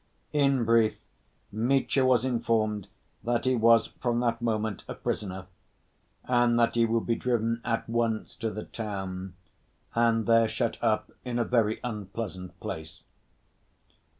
In brief, Mitya was informed that he was, from that moment, a prisoner, and that he would be driven at once to the town, and there shut up in a very unpleasant place.